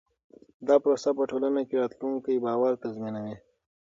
دا پروسه په ټولنه کې راتلونکی باور تضمینوي.